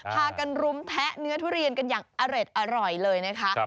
พากันรุมแทะเนื้อทุเรียนกันอย่างอร่อยเลยนะคะ